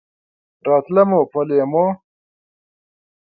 راتله مو په لېمو!